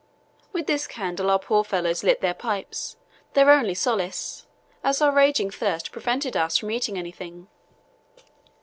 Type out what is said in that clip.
With this candle our poor fellows lit their pipes, their only solace, as our raging thirst prevented us from eating anything.